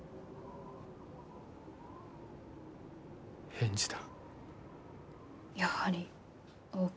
返事だ。